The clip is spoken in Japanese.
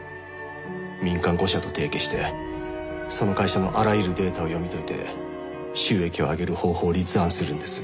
民間５社と提携してその会社のあらゆるデータを読み解いて収益を上げる方法を立案するんです。